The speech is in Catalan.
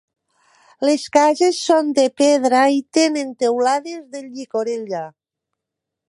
Les cases són de pedra i tenen teulades de llicorella.